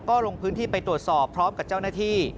ก็ลงพื้นที่ไปตรวจสอบพร้อมกับเจ้าหน้าที่